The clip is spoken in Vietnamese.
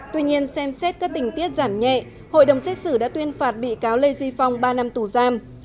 tuy nhiên xem xét các tình tiết giảm nhẹ hội đồng xét xử đã tuyên phạt bị cáo lê duy phong ba năm tù giam